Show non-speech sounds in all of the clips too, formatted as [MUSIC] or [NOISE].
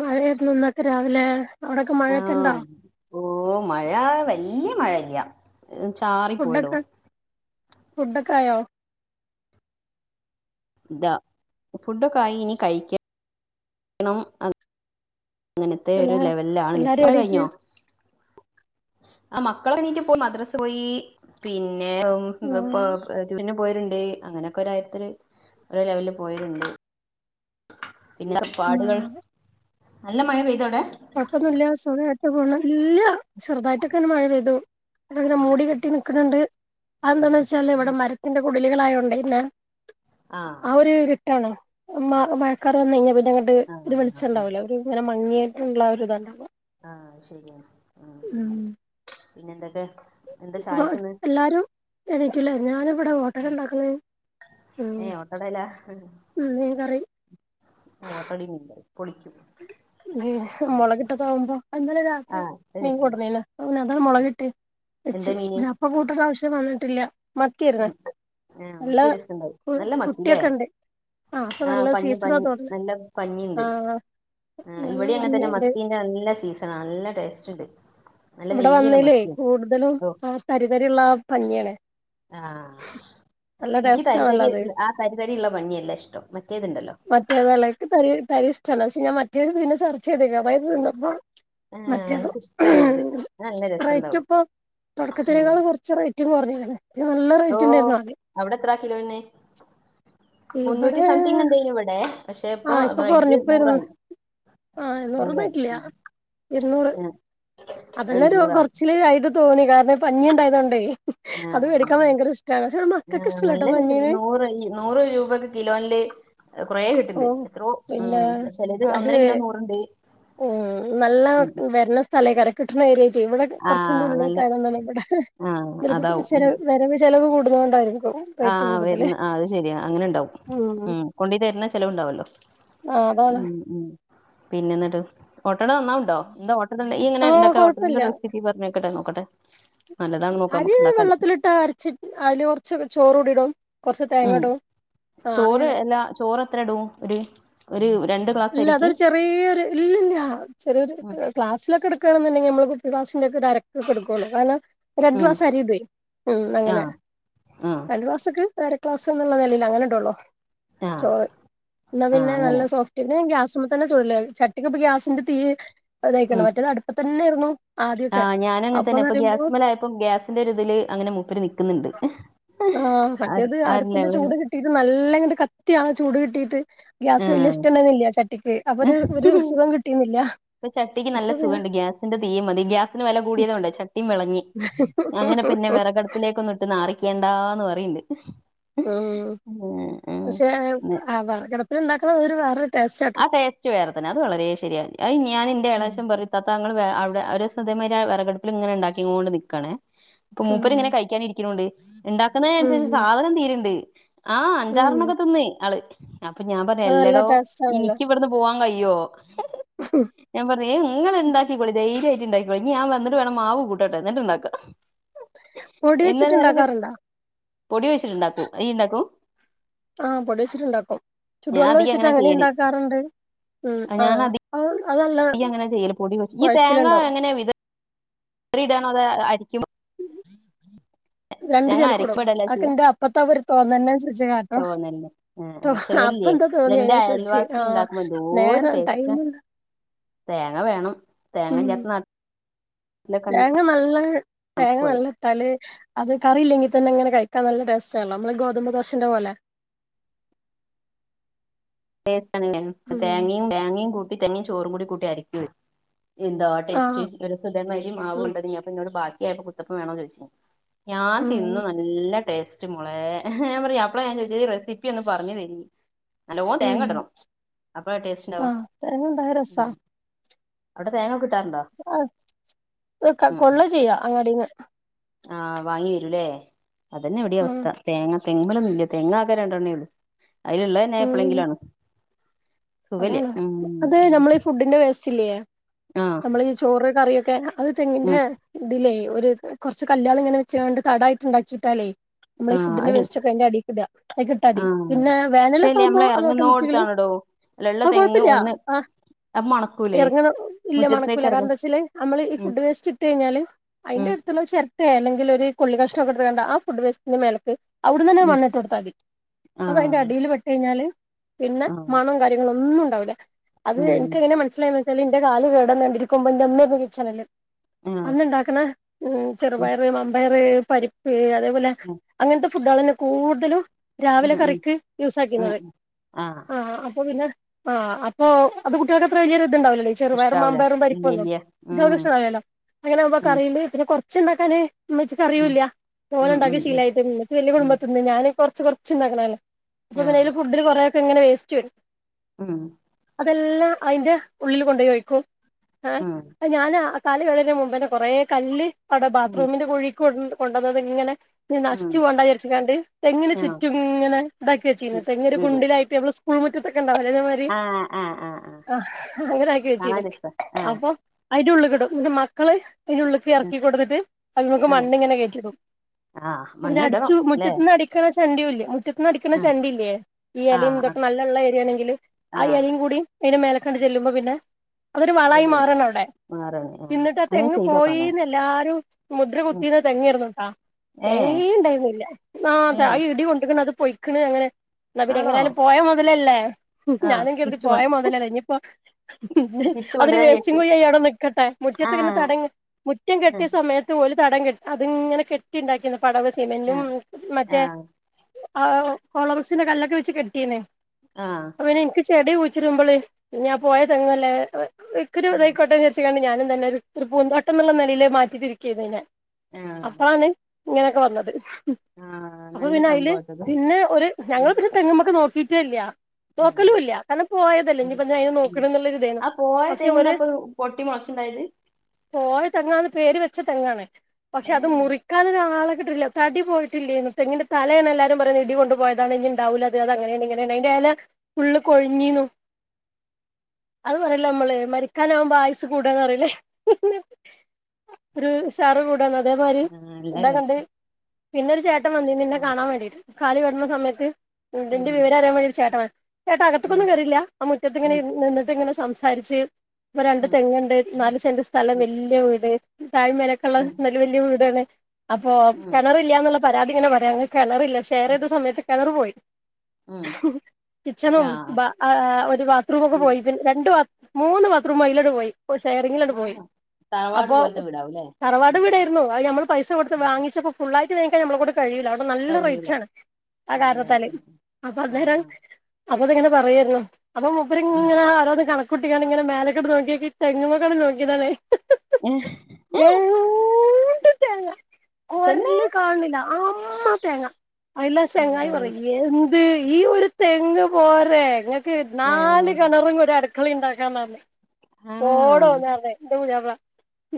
മഴായിരുന്നു ന്നൊക്കെ രാവിലെ അവിടൊക്കെ മഴയൊക്കെ ഇണ്ടോ ആഹ് ഓ മഴ വല്യ മഴയില്ല ചാറി പോയടോ ഫുഡ്ഡൊക്കായോ താ ഫുഡൊക്കായി ഇനി കഴ്ക്ക ണം അ അങ്ങനത്തെ ഒരു എല്ലാ ലെവലിലാണ് നിക്ക്ണെ എല്ലാരും അവിടെ കഴിഞ്ഞോ എണീറ്റ് ആ മക്കളെണീറ്റ്പ്പൊ മദ്രസ് പോയി പിന്നെ ആ [UNINTELLIGIBLE] പോയൊര്ണ്ട് അങ്ങനക്കൊരത്തില് ഒരെ ലെവലില് പോയര്ണ്ട് പിന്നെ ആ പാടുകൾ നല്ല മഴ പെയ്തൗടെ കുഴപ്പൊന്നുല്ല സുഖായിട്ട് പോണ് ഇല്ല ചെർതായിട്ടൊക്കെന്നെ മഴ പെയ്തു അങ്ങനെ മൂടികെട്ടി നിക്ക്ണ് ണ്ട് അതന്താന്ന് വെച്ചാല് ഇവിടെ മരത്തിന്റെ കുടിലികളായോണ്ട് എക്കുല്ലേ ആഹ് ആ ഒരു ഇര്ട്ടാണ് മ മയക്കാറ് വന്ന് കഴിഞ്ഞാല് അങ്ങട്ട് ഒരു ആഹ് ആഹ് വൾച്ചണ്ടാവുല്ല ഒരു ഇങ്ങനെ മങ്ങിയിട്ട് ള്ള ഒരു ഇത്ണ്ടാവ ആ ശരിയ മ് പിന്നെന്തക്കെ ഇപ്പൊ എല്ലാരും എണീറ്റില്ല ഞാന് ഇവിടെ ഓട്ടട ഇണ്ടാക്ക്ണ് ഏ ഓട്ടടെലാ മ് ഞ് അയ്‌ന് കറി [INAUDIBLE] ഓട്ടടേം [UNINTELLIGIBLE] [INAUDIBLE] ഏ മുളകിട്ടൊക്കെ ആകുമ്പോ ഇന്നലെ രാത്രി ആഹ് അത് മീൻ രസണ്ടാവും കൊണ്ടന്നീന്ന് അതാണ്ട് മൊളകിട്ട് വെച്ച് പിന്ന അപ്പ കൂട്ട്ണ ആവശ്യ വന്നിട്ടില്ല മത്തിയായിരുന്നു ഏ നല്ല മത്തി രസണ്ടാവും നല്ല മത്തില്ലേ കുട്ടിയൊക്കെ ഉണ്ട് അപ്പൊ ആ നല്ല പഞ്ഞി സീസണാ പഞ്ഞി തോന്നുന്നു നല്ല ആ പഞ്ഞിണ്ട് ആ നല്ല ഇവിടെ അങ്ങൻതന്നെ പഞ്ഞിയുണ്ട് മത്തിന്റെ നല്ല സീസണ നല്ല ടേസ്റ്റ് ണ്ട് ഇവ്ട വന്നേല്ലേ കൂടുതലും ആ തരിതരിള്ള പഞ്ഞിയണ് ആ ൻക്ക് ടേസ്റ്റ് ആണല്ലോ തരിതരി അത് ള്ള ആ തരിതരിള്ള പഞ്ഞിയെല്ല ഇഷ്ടം മറ്റേത്ണ്ടല്ലോ മറ്റേതല്ലേ ക്ക് തരി തരി ഇഷ്ട്ടല്ല പക്ഷെ ഞാൻ മറ്റേത് പിന്നെ സർച്ച് ചെയ്തേക്കാ അപ്പത് തിന്നപ്പോ ആ മറ്റേത് ന്ക് ഇഷ്ട്ടാണത് റേറ്റ് പ്പൊ ഉം തൊടക്കത്തിനേക്കാള് കൊറച്ച് റേറ്റ് കുറഞ്ഞ്ല്ലേ നല്ല ഓ റേറ്റ് ണ്ടായിരുന്നു ആദ്യം [INAUDIBLE] അവിടെ എത്രാ കിലോന് മുന്നൂറ്റി ഇവടെ സംതിങ് എന്തേനു ഇവിടെ പക്ഷെ [INAUDIBLE] ആ ഇപ്പൊ റേറ്റ് കുറഞ്ഞ്പ്പേര്ന്നു നൂറായി ആ നൂറ് നൂറായി പറ്റില്ല [INAUDIBLE] ഇരുന്നൂറ് ഉം ആഹ് അതന്നെ ഒരു ഇരുന്നൂറാ കൊറച്ചിലായിട്ട് തോന്നി കാരണം പഞ്ഞിണ്ടായതോണ്ടേ ആ [INAUDIBLE] മക്കൾക്ക് ആ ഇഷ്ടല്ലട്ടോ നല്ലരസണ്ട് പഞ്ഞീന് നൂറ് ഞ് നൂറ് രൂപക്ക് കിലോല്ല് കൊറേ കിട്ട് ണ്ട് ഓഹ് എത്രോ പിന്നെ ചിലത് അത് ഉം നല്ല വരുന്ന സ്ഥലേക്കാരം കിട്ടുന്ന ഏര്യ ഇവിടെ കൊറച്ച് ആഹ് നല്ല ഉള്ളിലോട്ടായതു കൊണ്ട് ആഹ് ഇവിടെ നിക്ക് അതാവും ചെല വരവ് ചെിലവ് കൂടുന്ന കൊണ്ടായിരുന്നു ആ വരുന്ന ആ അത് ശരിയാ അങ്ങനെ ഉണ്ടാവും ഉം കൊണ്ടീ തരുന്ന ചെലവുണ്ടാവല്ലോ ആഹ് അതാണ് ഉം ഉ പിന്നെ എന്നിട്ട് ഓട്ടട നന്നാവ്ണ്ടോ എന്താ ഈ ഇങ്ങനെ ആഹ് ഉണ്ടാക്കാട്ടെ കൊഴപ്പല്ല എ റെസിപ്പി പറഞ്ഞോക്കട്ടെ നോക്കട്ടെ നല്ലതാണ് നോക്കാം അരി നമുക്ക് ഇണ്ടാക്കാലോ വെള്ളത്തിലിട്ട് അരച്ചി അതിന് കൊറച്ച് ചോറ് കൂടിടും കുറച്ച് ഉം തേങ്ങടും ചോറ് എല്ലാ ചോറ് എത്ര ഇടും ഒരു ഒരു രണ്ട് ഗ്ലാസ് അരിക്ക് ല്ല ചെറിയരു ഉം ക്ലാസിലൊക്കെ എടുക്കയാണെന്നുണ്ടെങ്കിൽ നമ്മള് കുപ്പി ക്ലാസിന്റെ ഒക്കെ ഒരു അരക്കൊക്കെടുക്കുവയാണ് കാരണം രണ്ട് ഉം ഗ്ലസ് അരിഇടുഎ അങ്ങനെ ആഹ് ആഹ് രണ്ടു ഗ്ലാസിക്ക് അര ക് എന്നുള്ള നിലയി അങ്ങനെ ഇട്ടുള്ളോ ആഹ് ചോ എന്നാ ആഹ് പിന്നെ അങ്ങനെ നല്ല സോഫ്റ്റ് ഗ്യാസ് ടുപ്പമ്മ തന്നെ ചുടല് ചട്ടിക്ക്പ്പം ഗ്യാസിന്റെ തീ തയ്ക്കണം ഉം മറ്റേത് അടുപ്പതന്നെ ആയിരുന്നു ആ ഞാന് അങ്ങനെ തന്നെ അപ്പൊ ഗ്യാസ് മലായപ്പം ഗ്യാസിന്റെ ഒരു ഇതില് അങ്ങനെ മൂപ്പന് നിക്കുന്നുണ്ട് ആ അത് മറ്റേത് അത് അടുപ്പിന്റെ ലെവല് ചൂട് കിട്ടിട്ട് നല്ലങ്ങെ കത്തിയാണ് ചൂട് കട്ട കിട്ടീട്ട് ആ ഗ്യാസ് വലിയ ഇഷ്ടണ്ടർന്നില്ല ചട്ടിക്ക് അപ്പൊ ഒരു സുഖം കിട്ടീനില്ല ഇപ്പ ചട്ടിക്ക് നല്ല സുഖ ഉണ്ട് ഗ്യാസിന്റെ തീയും മതി ഗ്യസിന് വെ ല കൂടിയത കൊണ്ട് ചട്ടിം വെ അങ്ങനെ പിന്നെ വിറകടപ്പിലേക്ക ഒന്ന് ഇട്ട് നാറിക്കേണ്ടാന്ന് പറീണ്ട് ഉം പക്ഷെ ഉം. ആ വ കിടപ്പില ഉണ്ടാക്കണം വേറെ ആ ടേസ്റ്റ് വേറെ തന്നെ അത് വളരെ ശരിയ അ ഞാൻ എൻ്റെ ഉം എളച്ചൻ പറയും താത്താ അവിടെ ഒരു ദിവസം വിറകടുപ്പിൽ ഇങ്ങനെ ഉണ്ടാക്കിണ്ട് നിക്കയാണേ ഇപ്പൊ മൂപ്പർ ഇങ്ങനെ ഉം കഴിക്കാനി രിക്കണണ്ട് ഉം ഉണ്ടാക്കുന്നതിനനുസരിച്ച് സാധനം തീരുണ്ട് ആ ഉം അഞ്ചാറെണ്ണമോക്കെ തിന്നേ ആള് അപ്പൊ ഞാൻ പറഞ്ഞു അത് നല്ല എല്ലടോ ടേസ്റ്റാണല്ലോ എനിക്ക് ഇവിടുന്ന് പോവാൻ കഴിയും അയ്യോ ഞാൻ പറഞ്ഞ് നിങ്ങള് ഉണ്ടാക്കിക്കോളി ധൈര്യ ഉണ്ടാക്കി ഞൻ വന്നിട്ട് വേണം മാവ്കൂട്ട എന്നിട്ടുണ്ടാക്ക പൊടി ഇന്ന് നാല് വെച്ചിട്ടുണ്ടാക്കാറുണ്ടോ പൊടി വെച്ചിട്ടുണ്ടാക്കൂ ഈ ഇണ്ടാക്കൂ ആ പൊടിച്ചിട്ടുണ്ടാക്കും ഞാൻ ചുടുവെള്ളം അധികം അങ്ങനാ ചെയ്യല് ഒഴിച്ചിട്ട്ങ്ങനെണ്ടാക്കും ക്കാറുണ്ട് ഉം ആ ഈ അങ്ങനെ ചെയ്യല് പൊടിച്ച ഈ തേങ്ങ എങ്ങനെ റിടണോ അത ആയിരിക്കും രണ്ട് തങ്ങ അരക്ക ചിലക്കുടും പെടല്ല അതൊക്കെ ചെയ്യ എന്റെ അപ്പത്തെ ഒരു തോന്നലിനനുസരിച്ച് കാട്ടും തോന്നല്ലേ ചെലോല് അപ്പം ല്ലേ എന്താ തോന്നി ന്റെ അതിനനുസരിച്ച് അയൽവാസി ആഹ് ഇണ്ടാക്കുമ്പോ എന്തോര് നേരം ടേസ്റ്റ് ടൈമ് തേങ്ങ വേണം തേങ്ങ ഉം ഇല്ലാത്ത നാട്ടിൽ തേങ്ങ നല്ല തേങ്ങ കണക്കുവായി നല്ല ഇട്ടാല് അത് കറിയില്ലെങ്കിൽ തന്നെ അങ്ങനെ കഴിക്കാൻ നല്ല ടേസ്റ്റാല്ലോ നമ്മള് ഗോതുമമ്പ്ദോശന്റെ പോലെ ഞൻ ഉം തേങ്ങയും തേങ്ങയും കൂട്ടി തന്നെയും ചോറും കൂടി കൂട്ടി അരക്കും എന്താ ടേസ്റ്റ് ആഹ് സുധമായിരി ഉം മാവുണ്ട് അപ്പൊട് ബാക്കി ആയപ്പോ കുത്തപ്പം വേണോ ചോദിച്ച ഞാൻ തിന്ന് ഉം നല്ല ടേസ്റ്റ് മോളെ ഞാൻ പറയാ അപ്പളെ ഞാൻ ചോദിച്ചത് പ്പി ഒന്ന് പറഞ്ഞു തരി നല്ലോം ഉം തേങ്ങ ഇടണം അപ്പഴാ ടേസ്റ്റ് ആഹ് തേങ്ങണ്ടായ കിട്ടാറുണ്ടോ ആ കൊള്ള ചെയ്യാ അങ്ങടിന്ന് ആ വാങ്ങി വരൂല്ലേ അതന്നെ എവിടെ ഉം അവസ്ഥ തേങ്ങ തെങ്ങ് കളൊന്നും ഇല്ല തെങ്ങ് ആകെ രണ്ടെണ്ണേ ഉള്ളൂ അതിലുള്ളന്നെ ഉം എപ്പഴെങ്കിലും ആണ് അതാണ് അത് നമ്മളീ ഫുഡിന്റെ വേസ്റ്റ് ഇല്ലയേ ആഹ് നമ്മൾ ഈ ചോറ് കറിയൊക്കെ അത് തെങ്ങിന്റെ ഉം ഇതിലേ ഒരു കൊറച്ച് കല്ല്കള് ഇങ്ങനെ വെച്ചൊണ്ട് തടായിട്ട് ഉണ്ടാക്കിട്ടാലേ നമ്മൾ ഈ ആഹ് ഫുഡിന്റെ അത് വേസ്റ്റ് ഒക്കെ അതി അടിക്ക് ഇട കിട്ടാ മതി ആഹ് പിന്നെ വേനലൊക്കെ പക്ഷേല്ലേ ആവുമ്പോ നമ്മള് അങ്ങോട്ട് മുറ്റ കളി എറങ്ങുന്നോടത്താണടോ ഇള്ള ആ തെങ്ങ് കൊഴപ്പില്ല ഒന്ന് ആ അത് മണക്കൂലേ ഇറങ്ങണം ഇല്ല മണക്കൂല മുറ്റത്തേക്ക് കാരണം എറങ്ങും എന്താ വെച്ചാല് നമ്മള് ഈ ഉം ഫുഡ് വേസ്റ്റ് ഇട്ട് കഴിഞ്ഞാല് അതിന്റെ ഉം അടുത്തുള്ള ചക്കെ അല്ലെങ്കിൽ ഒരു കൊള്ളി കഷ്ടമൊക്കെടുത്താണ്ട് ആ ഫുഡ് വേസ്റ്റന്റെ മേലക്ക് അവിടുന്നെ ഉം മണ്ണ ഇട്ട് കൊടുാൽ മതി അത് അതിന്റെ ആഹ് അടിയിൽ വെട്ട് കഴിഞ്ഞാല് പിന്നെ ആഹ് മണം ക ന്നുംണ്ടാവില്ല അത് ഉം എനക്ക് എങ്ങനെ മനസ്സിലായച്ചല് എന്റെ കാല് കേടന്നണ്ടിരിക്കുമ്പോ അമ്മ കണല് ആഹ് അന്ന്ണ്ടാക്കണ ഉം ഉം ചെറുപയറ് വമ്പയര് പരിപ്പ് അ തേപോലെ ഉം അങ്ങനത്തെ ഫുഡോളല്ലേ കൂടുതലും രാവിലെ ഉം ഉം കറിക്ക് ഉം യൂസാക്കിന്നത് ഉം ആഹ് ആ അ പിന്നെ ആ അപ്പോ അത് കുട്ടികൾക്ക് എത്ര വല്യൊരു തുണ്ടാവൂല്ലല്ലോ ചെറുപയറും ഇഷ്ടാവൂല വമ്പയറും പരിപ്പും ഇല്ല്യ ഇല്ല്യ ഉം ല്ലേ ഇത് [UNINTELLIGIBLE] അങ്ങനാവുമ്പോ ഉം കറീല് പിന്നെ കൊറ ച്ച് ണ്ടാക്കാന് ഉമ്മച്ചിക്ക് ഉം അറിയൂല്ല ഉം തോനെണ്ടാക്കി ഉം ഉം ശീലായിപ്പോയി ഉമ്മച്ചി വലിയ ഉം കുടുംബത്തിന്ന് ഞാന് ഇപ്പൊ കൊറച്ച് കൊറച്ചുണ്ടാക്കണെല്ലേ ആഹ് അപ്പോപ്പിന്നെ ഫുഡില് കുറേക്കെയിങ്ങനെ വേസ്റ്റ് വരും ഉം ഇതെല്ലാം അയിന്റെ ഉള്ളില്കൊണ്ടോയി ഒയിക്കും എ ഉം അത് ഞാനാ അ കാല് കഴുകലിന് മുമ്പ്ന്നെ കൊറെ കല്ല് അടെ ഉം ബാത്റൂമിന്റെ കുഴി കൊ കൊണ്ടുവന്നതിങ്ങനെ ഉം നശിച്ച് പോണ്ടാവിചരിച്ചികാണ്ട് തെങ്ങിന് ആഹ് ചുറ്റും ഇങ്ങനെ ഇതാക്കി വെച്ചീരുന്നു തെങ്ങ് ഒരു ഇടും കുണ്ടിലായിട്ട് നമ്മള് സ്കൂൾ മു [UNINTELLIGIBLE] ആഹ് ആഹ് ആഹ് ആഹ് ആ അങ്ങനാക്കി വെച്ചീ കാണാൻ രസാ ആഹ് അപ്പം അ ന്റെ ഉള്ളിക്കിടും ന്നിട്ട് മക്കള് തിന്റെ ഉള്ളിക്ക് എറക്കി കൊണ്ടൊന്നിട്ട് അതിങ്ങക്ക് ആഹ് മണ്ണിങ്ങനെ കേറ്റിടും ആഹ് മണ്ണിടണം അവരടിച്ചു ല്ലേ മുറ്റത്ത്ന്ന് അടിക്കണ ചണ്ടിയുല്ലേ മുറ്റന്ന് അടിക്കണ ആഹ് ചണ്ടീല്ലേ ഈ എലയും ആഹ് ഇതൊക്കെ നല്ലൊള്ള എങ്കില് ആ ആഹ് എലയും കൂടി അതിന്റെ മേലേക്കാണ്ട് ചെല്ലുമ്പോ പിന്നെ അതൊരു വളായി റെഡിയായി മാറാണവടെ ആറാണ് എന്നിട്ട് ആ അങ്ങനെ തെങ്ങ് ചെയ്തോക്കണം എന്നാല് പോയിന്ന് എല്ലാരും മുദ്ര ഉം കുത്തീന്ന തെങ്ങാരുന്നിട്ടാ ഏ തേങ്ങേ ണ്ടായിരുന്നില്ല ആ ഏ താ ഇടി കൊണ്ട്‌കണ് അത് പൊയിക്കണ് അങ്ങനെ എന്ന പിന്നെ ആണോ എങ്ങനായാലും പോയാ മൊതലല്ലേ ആ ഞാനും കരുതി തിരിച്ച് കൊ പോയ മൊതലല്ലേ ഇനീപ്പോ തിരിച്ച് അതൊരു കൊണ്ടുവരാൻ വേസ്റ്റും വിചാരിച്ച് കുയിയായി അവടെ നിക്കട്ടെ ആ മുറ്റത്തങ്ങനെ തടയ് മുറ്റം ആ കെട്ടിയ സമയത്ത് ഒരു തടം കെ അതിങ്ങനെ കെട്ടിണ്ടാക്കിയതാ പടവ് ആ സിമെന്റും ആ മറ്റേ ആ ഹോളോ ബ്രിക്സിന്റെ കല്ലൊക്കെ വെച്ച് കെട്ടിന്നേ ആ അപ്പൊ പിന്നെ എനിക്ക് ചെടി കുയിച്ചിടുമ്പള് പിന്നെ ആ പോയ തെങ്ങല്ലേ ഇക്കൊരു ആ ഇതയ്ക്കോട്ടെ വിചരിച്ചക്കണ്ട് ഞാനും തന്നെ ഒരു പൂന്തോട്ടംന്നൊള്ള നിലയില് മാറ്റി തിരിക്കിയാരുന്നു അയിനെ ആ അപ്പളാണ് ഇങ്ങനൊക്കെ വന്നത് ആ അപ്പൊ നല്ല പിന്നെ അയില് സംഭവാട്ടത് പിന്നെ ഒരു ഞങ്ങൾ ഉം പിന്നെ തെങ്ങുമെക്കെ നോക്കിട്ടേ ഇല്ല ആ നോക്കലുല്ല കാരണം പോയതല്ലേ അതെ ഇനിപ്പ എന്തിനാ അയിനെ ഉം നോക്കണെന്നുള്ള ഇതായിരുന്നു ആ പോയ പക്ഷെ ഒരു തെങ്ങ്ന്നാ ഇപ്പൊ [UNINTELLIGIBLE] പോയ തെങ്ങാന്ന് പേര് വെച്ച തെങ്ങാണ് പക്ഷെ ഏ അത് മുറിക്കാനൊരാളെ കിട്ടില്ല തടി പോയിട്ടില്ല്യാന്നു തെങ്ങിന്റെ തലയാണ് എല്ലാരും പറയുന്നത് ഇടി കൊണ്ട് പോയാതാണ് ഇനി ഉണ്ടാവൂല്ല അത് അങ്ങനെയാണ് ഇങ്ങനെയാണ് അയിന്റെ എല ഫുള്ള് കൊഴിഞ്ഞിന്നു അത് പറയില്ല നമ്മള് മരിക്കാനാവുമ്പാ ആയുസ് കൂടാന്ന് പറയില്ലേ ഒരു സാറു കൂടാന്ന അതേമാരി ആ നല്ല രസം ഇന്താകണ്ട് പിന്നൊരു ചേട്ടൻ വന്നീ നിന്നെ കാണാൻ വേണ്ടീട്ട് കാലി വരുന്ന സമയത്ത് ഇതിന്റെ ഉം വിവരം അറിയാൻ വേണ്ടി ഒരു ചേട്ടൻ വ ചേട്ടാ ഉം അകത്തേക്കൊന്നും കേറീല്ല ആ മുറ്റത്ത് ഇങ്ങനെ ഉം നിന്നിട്ട് ഇങ്ങനെ സംസാരിച്ച് ഇപ്പൊ രണ്ട് ഉം തെങ്ങ്ണ്ട് നാല് സെന്റ് സ്ഥലം ഉം വല്യ വീട് താഴ്മേലൊക്കൊള്ള ഉം നല്ല വല്യ വീടാണ് അപ്പൊ ഉം കെണറില്ല്യന്നൊള്ള പരാതി ഇങ്ങനെ പറയാ അങ്ങ് കെണറില്ല ഉം ഷെയറെയിത സമയത്ത് കെണറ് പോയി ഉം കിച്ചണും ആ ബ അ അ ഒരു ബാത്റൂമൊക്കെ ഉം പോയി രണ്ട് മൂന്ന് ബാത്റൂം അയിലോട്ട് പോയി ഷെയറിങ്ങിലട് ആ പോയി തറവാട് അപ്പൊ പോലത്തെ വീടാവുല്ലേ ആ തറവാട് വീടായിരുന്നു അത് നമ്മൾ പൈസ കൊടുത്ത് ആ ആ. വാങ്ങിച്ചപ്പോ ഫുള്ളയി [UNINTELLIGIBLE] നമ്മളെക്കൊണ്ട്ടെ കഴിയൂല അവിടെ നല്ല കഴിയൂല റേറ്റാണ് ആ ആണ്ല്ലേ കാരണത്താൽ ഉം ഉം അപ്പൊ ആ അന്നേരം ആ അപ്പൊതിങ്ങനെ പറയായിരുന്നു അപ്പൊ മൂപ്പരിങ്ങനെ ഇങ്ങനെ ഓരോന്ന് കണ കുട്ടിങ്ങനെ മേലേകോടെ നോക്കിയക്കി തെങ്ങുമെക്കാെടെ നോക്കിയതാണ് ഹി ഹി ഹി തേങ്ങയോട് തേങ്ങ തന്നെ ഒരല് കാണില്ല ആമ്മ തേങ്ങ അല്ല ചെങ്ങായി അള്ളാ പറ എ ന്ത്‌ ഈ ഒരു തെങ്ങ് പോരെ ങ്ങക്ക് നാല് ഏഹ് കിണറും കൂടി അട ക്കള ഉണ്ടാക്കാന്നാന്നറഞ്ഞു [UNINTELLIGIBLE] ആണോ ന്റെ [UNINTELLIGIBLE]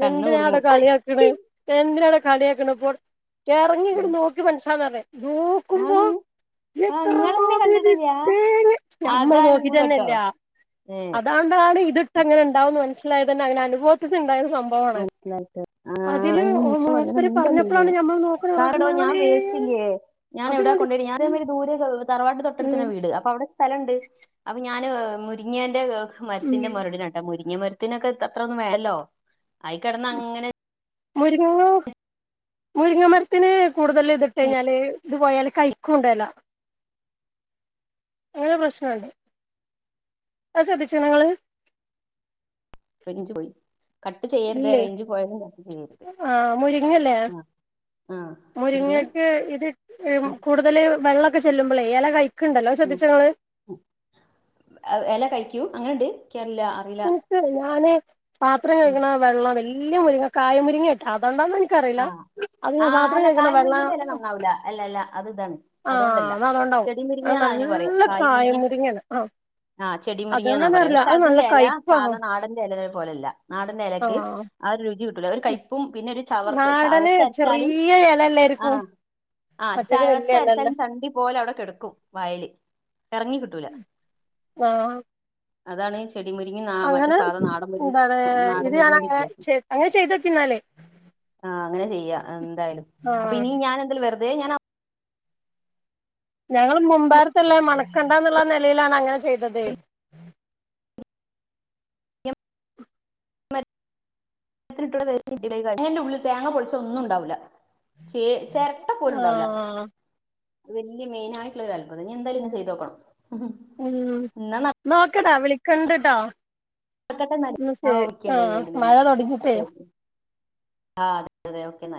കണ്ണ് എന്തിനാടാ കുടുങ്ങും കളിയാക്കണ് എന്തിനാടാ കളിയാക്കണ് പൊ എറങ്ങി ഇങ്ങട്ട് നോക്കി മൻസ്സാന്പ ഞാന് ആ ങ്ങളെന്നെ കണ്ടിട്ട് ഇന്ക് ക്കാൻഞ് ഞമ്മ നോക്കിട്ടന്നെല്ല അതാണ്ടാണ് ഇതിട്ട്ങ്ങന ഉണ്ടാവുംന്ന് മനസിലായതന്നെ അനുബവത്തിന്ന് ണ്ടായത സംഭവാണ് മനസ്സിലായി അതില് ആഹ് ഇനി ഇൻഷാ അള്ളാ അങ്ങനെ മൂപ്പര് എന്തായാലും പറഞ്ഞപ്പളാണ് ഞമ്മൾ നോക്കുണ റഹ്മാനെ ച്ച് ല്യേ ഞാൻ എവിടാ കൊണ്ടായിട്ട് ഞാനൻ ദൂ തറവാട് തൊട്ടടുത്തന്ന ഉം വീട് അപ്പൊ അവിടെ സ്ഥലണ്ട് അപ്പൊ ഞാന് മുരിങ്ങിയന്റെ മരത്തിന്റെ മുരടിന്ട്ട മുരിങ്ങ മരത്തിനൊക്കെ അത്രൊന്നും വേല്ലോ ആയികടന്ന് അങ്ങനെ മുരിങ്ങ മുരിങ്ങ മരത്തിന് കൂടുതൽ ഇത് ഇട്ട കഴിഞ്ഞാല് ഇത്പോയാല് കഴിക്കുംണ്ടല്ല അങ്ങനെ പ്രശ്നണ്ട് അത് ശ്രദ്ധിച്ണോ ങ്ങള് പ്രകിച്ചു പോയി [UNINTELLIGIBLE] കട്ട് ചെയ്യര്തെ റേഞ്ച് പോയതാണ് മം ആ മുരിങ്ങല്ലേ മം മുരിങ്ങക്ക് ഇത് ഉം കൂടുതല് വെള്ളക്കെ ചെല്ലുമ്പളേ എല കയി എല കഴിക്കൂ അങ്ങനെണ്ട് എനിക്കറിയില്ല അറിയില്ല എനിക്ക് ഞാന് പാത്രം ഉം കഴിക്കണ വെള്ളം വെല്യ മുരിങ്ങ കായ മുരുങ്ങട്ടാ അതണ്ടാന്ന ക്ക്റില ആഹ് അതിന് ആ പാത്രം അല്ല കയ്ക്ണ കായ് വെള്ള മുരിങ്ങന്റെ എല നന്നാവൂല അല്ല അല്ല അത് ഇതാണ് ആ അതുകൊണ്ടല്ല അതണ്ടാവും ചെടി മുരിങ്ങാന്നാ അതിന് പറയാ നല്ല കായ് കായ മുരിങ്ങ മുരിങ്ങാണ് അ ആ ചെടി മുരിങ്ങയന്നാ പറയാ പക്ഷെ അതിന്റെ ല കയ്പ്പാ സാധ നാടന്റെ എല പോലല്ല നാടന്റെ എലക്ക് ആഹ് ആ ഒരു രുചി കിട്ടൂല ഒരു കൈപ്പും പിന്നെ ചവർക്ക് നാടന് ചവർക്ക് അരച്ചാലും ചെറിയ ആ എലല്ലായിരിക്കും ആ മറ്റേത് വല്യ എലല്ലേ ചവച്ചാരച്ചാലും ചണ്ടി പോലെ അവിടക്കടുക്കും വായല് എറങ്ങി കിട്ടൂല ആ അതാണ് ചെടി മുരിങ്ങി ന മറ്റു സാധ നാടൻമരിങ്ങ എന്താണ് ഇത് നാടൻമുരിങ്ങിന്റെ ഞാനങ്ങനെ വ്യത്യാസം ചെയ് അങ്ങനെ ചെയ്തോക്കിന്നാല് ആ അങ്ങനെ ചെയ്യ എന്തായാലും അപ്പൊ ആഹ് ഇനി ഞാൻ എന്തേലും വെറുതെ ഞാൻ ഞങ്ങള് മുമ്പാരത്തള്ളെ മണക്കണ്ടന്നുള്ള നലയിലാണ് അങ്ങനെ ചെയ്തത് മ എന്റെ ഉള്ളിൽ തേങ്ങ പൊളിച്ച ഒന്നും ഉണ്ടാവുല്ല ചേ ചേരട്ട പോലുണ്ടാവുല ആഹ് വെല്യ മയിനായിട്ടുള്ള ഒരു അത്ഭുതം ഞ്ഞി എന്തായാലും ഇന്ന് ചെയ്തോക്കണം മം നോക്കടാ വിളിക്കൻണ്ട് ട്ടോ എന്നാല് ഓക്കെ ആ മഴ തുൊടങ്ങിട്ടേ ആ അതെ അതെ ഒക്കെ ന്നാൽ